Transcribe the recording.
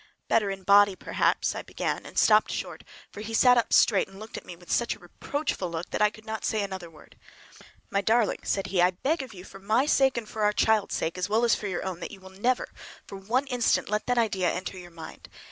"Better in body perhaps"—I began, and stopped short, for he sat up straight and looked at me with such a stern, reproachful look that I could not say another word. "My darling," said he, "I beg of you, for my sake and for our child's sake, as well as for your own, that you will never for one instant let that idea enter your mind!